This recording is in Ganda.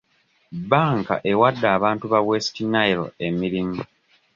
Bbanka ewadde abantu ba West Nile emirimu .